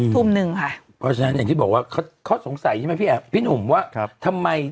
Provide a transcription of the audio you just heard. ทุ่มหนึ่งค่ะเพราะฉะนั้นอย่างที่บอกว่าเขาสงสัยใช่ไหมพี่หนุ่มว่าทำไม